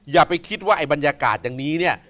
อย่าไปคิดว่าไอ้บรรยากาศอย่างนี้เนี่ย